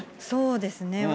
そうですね。